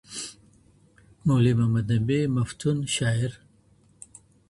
- مولوی محمد نبیمفتون، شاعر.